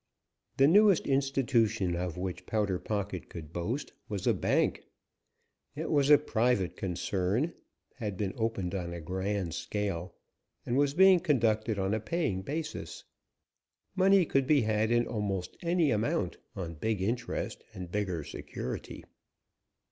The newest institution of which Powder Pocket could boast was a bank. It was a private concern, had been opened on a grand scale, and was being conducted on a paying basis. Money could be had in almost any amount, on big interest and bigger security.